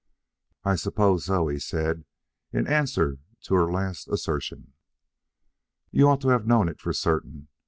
"I have supposed so," he said, in answer to her last assertion. "You ought to have known it for certain.